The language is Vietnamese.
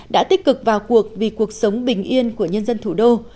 đã tích cực vào cuộc vì cuộc sống bình yên của nhân dân thủ đô